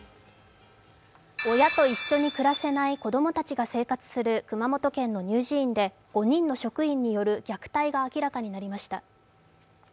親と一緒に暮らせない子供たちが生活する熊本県の乳児院で５人の職員による虐待が明らかになりました。